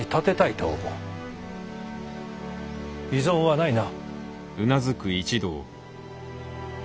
異存はないな？